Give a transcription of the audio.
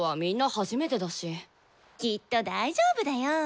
きっと大丈夫だよ。